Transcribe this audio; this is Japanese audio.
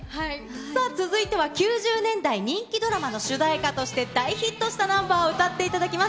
さあ続いては９０年代、人気ドラマの主題歌として大ヒットしたナンバーを歌っていただきます。